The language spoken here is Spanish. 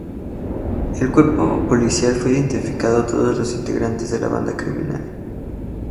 El cuerpo policial fue identificando a todos los integrantes de la banda criminal.